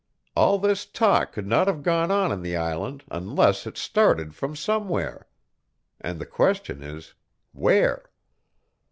All this talk could not have gone on in the island unless it started from somewhere. And the question is, where?"